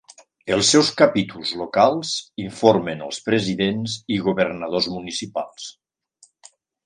Els seus capítols locals informen els presidents i governadors municipals.